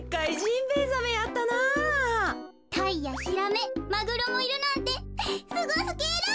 タイやヒラメマグロもいるなんてすごすぎる！